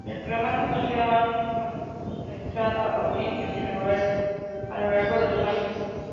El programa, no obstante, ha cosechado audiencias irregulares a lo largo de los años.